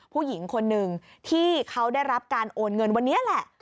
ผู้หญิงคนหนึ่งที่เขาได้รับการโอนเงินวันนี้แหละ